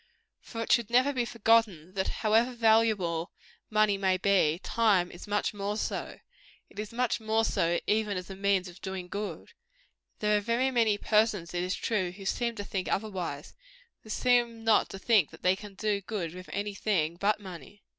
For it should never be forgotten, that however valuable money may be, time is much more so. It is much more so, even as a means of doing good. There are very many persons, it is true, who seem to think otherwise. They seem not to think that they can do good with any thing but money.